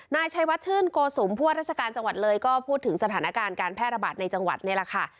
นายชัยวัดชื่นโกสุมผู้ว่าราชการจังหวัดเลยก็พูดถึงสถานการณ์การแพร่ระบาดในจังหวัดนี่แหละค่ะ